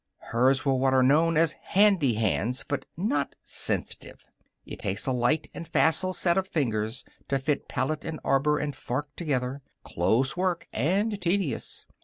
Hers were what are known as handy hands, but not sensitive. It takes a light and facile set of fingers to fit pallet and arbor and fork together: close work and tedious.